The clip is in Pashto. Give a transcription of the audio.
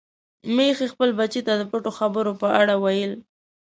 ميښې خپل بچي ته د پټو خبرو په اړه ویل.